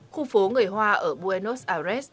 khu phố người hoa ở buenos aires